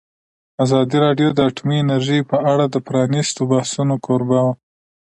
ازادي راډیو د اټومي انرژي په اړه د پرانیستو بحثونو کوربه وه.